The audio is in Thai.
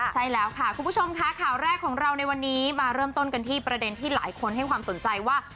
ใช่แล้วค่ะคุณผู้ชมค่ะข่าวแรกของเราในวันนี้มาเริ่มต้นกันที่ประเด็นที่หลายคนให้ความสนใจว่า